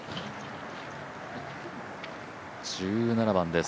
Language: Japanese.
１７番です。